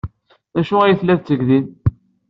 D acu ay tella tetteg din?